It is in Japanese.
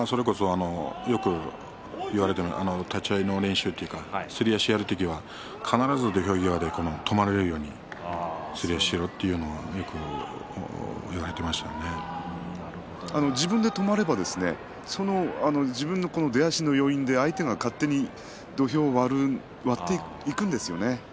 立ち合いの練習というかすり足をやる時は必ず土俵際で止まれるようにしろと自分が止まればですね自分の出足の余韻で相手が勝手に土俵を割っていくんですよね。